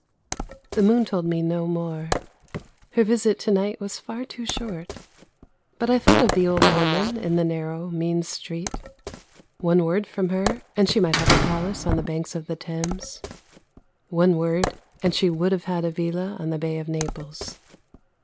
The moon told me no more; her visit to night was far too short, but I thought of the old woman in the narrow mean street. One word from her and she might have a palace on the banks of the Thames; one word, and she would have had a villa on the Bay of Naples.